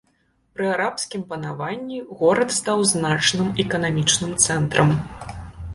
Пры арабскім панаванні горад стаў значным эканамічным цэнтрам.